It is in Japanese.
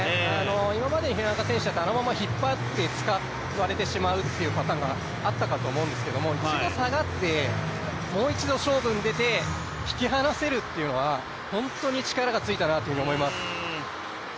今までの廣中選手だったらあのまま引っ張って使われてしまったというのが、あったかと思うんですけど一度下がってもう一度勝負に出て、引き離せるというのは本当に力がついたなと思います。